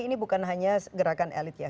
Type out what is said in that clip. ini bukan hanya gerakan elit ya